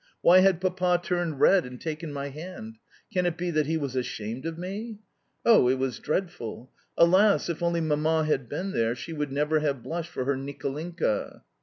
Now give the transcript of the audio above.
Why had Papa turned red and taken my hand? Can it be that he was ashamed of me? Oh, it was dreadful! Alas, if only Mamma had been there she would never have blushed for her Nicolinka!